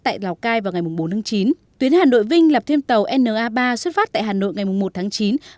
tại lào cai vào ngày bốn tháng chín tuyến hà nội vinh lập thêm tàu na ba xuất phát tại hà nội ngày một tháng chín